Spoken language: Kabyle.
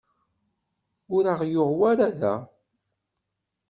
Ur aɣ-yuɣ wara da.